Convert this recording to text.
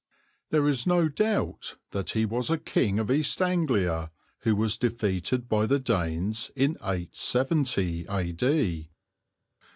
There is no doubt that he was a king of East Anglia who was defeated by the Danes in 870 A.D.